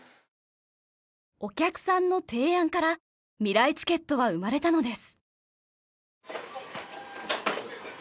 お客さんの提案からみらいチケットは生まれたのです。